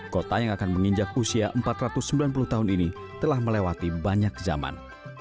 kota yang akan menginjak usia empat ratus sembilan puluh tahun ini telah melewati banyak zaman